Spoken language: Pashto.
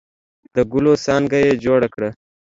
د ګلو څانګه یې جوړه کړه.